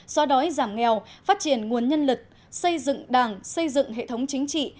xóa đói giảm nghèo phát triển nguồn nhân lực xây dựng đảng xây dựng hệ thống chính trị